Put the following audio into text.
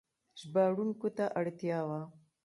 ژباړونکو ته اړتیا وه.